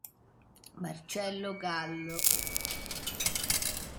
Marcello Gallo